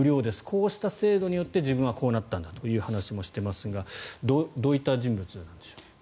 こうした制度によって自分はこうなったんだという話もしていますがどういった人物なんでしょう。